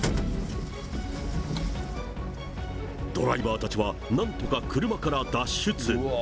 ドライバーたちはなんとか車から脱出。